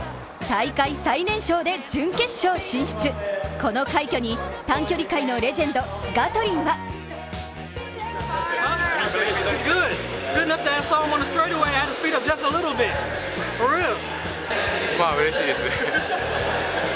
大会最年少で準決勝進出、この快挙に、短距離の界のレジェンドガトリンはうれしいです。